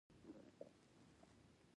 دوی سړکونه او الوتنې تنظیموي.